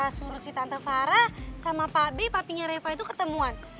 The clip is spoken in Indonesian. kita suruh si tante farah sama pak b papinya reva itu ketemuan